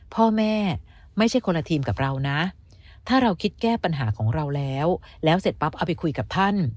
พ่อแม่ไม่ใช่คนละทีมกับเรานะถ้าเราคิดแก้ปัญหาของเราแล้วแล้วเสร็จปั๊บเอาไปคุยกับท่าน